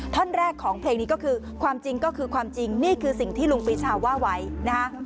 ท่อนแรกของเพลงนี้ก็คือความจริงก็คือความจริงนี่คือสิ่งที่ลุงปีชาว่าไว้นะฮะ